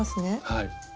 はい。